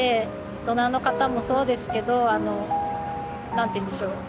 ドナーの方もそうですけどなんていうんでしょう